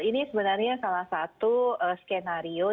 ini sebenarnya salah satu skenario